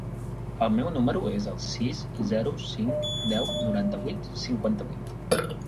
El meu número es el sis, zero, cinc, deu, noranta-vuit, cinquanta-vuit.